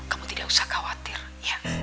kamu tidak usah khawatir ya